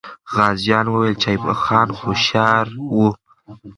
غازیان وویل چې ایوب خان هوښیار وو.